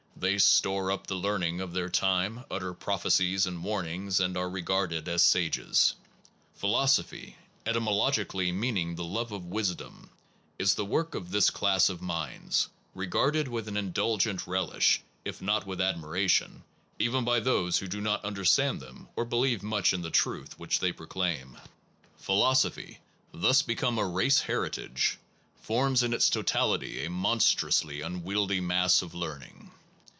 They store up the learning of their time, utter prophecies and warnings, and are regarded as sages. Philosophy, etymologic ally meaning the love of wisdom, is the work of this class of minds, regarded with an indul gent relish, if not with admiration, even by those who do not understand them or believe much in the truth which they proclaim. 3 SOME PROBLEMS OF PHILOSOPHY Philosophy, thus become a race heritage, forms in its totality a monstrously unwieldy mass of learning.